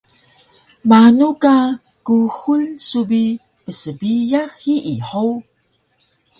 Manu ka kuxul su bi psbiyax hiyi hug?